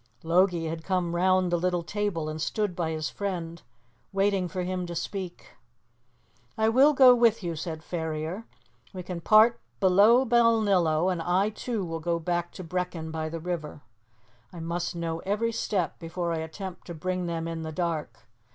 Logie had come round the little table and stood by his friend, waiting for him to speak. "I will go with you," said Ferrier. "We can part below Balnillo, and I, too, will go back to Brechin by the river. I must know every step before I attempt to bring them in the dark.